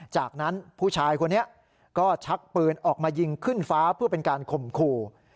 จากนั้นผู้ชายคนนี้ก็ชักปืนออกมายิงขึ้นฟ้าเพื่อเป็นการข่มขู่